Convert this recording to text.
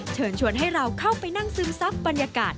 เชิญชวนให้เราเข้าไปนั่งซึมซับบรรยากาศ